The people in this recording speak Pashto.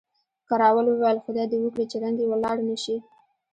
کراول وویل، خدای دې وکړي چې رنګ یې ولاړ نه شي.